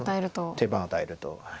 手番を与えると。